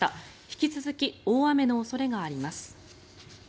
引き続き大雨の恐れがあります。